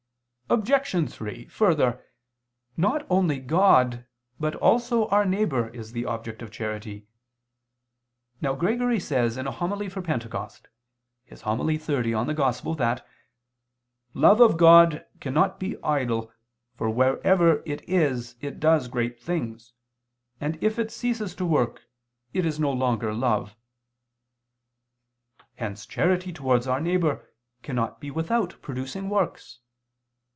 Obj. 3: Further, not only God but also our neighbor is the object of charity. Now Gregory says in a homily for Pentecost (In Evang. xxx), that "love of God cannot be idle for wherever it is it does great things, and if it ceases to work, it is no longer love." Hence charity towards our neighbor cannot be without producing works.